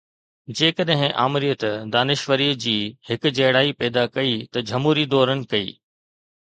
جيڪڏهن آمريت دانشوري جي هڪجهڙائي پيدا ڪئي ته جمهوري دورن ڪئي